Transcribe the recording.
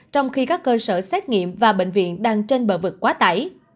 trong khi các cơ sở xét nghiệm và bệnh viện đang trên bờ vực quá tải